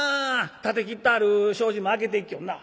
立てきってある障子も開けていきよんな」。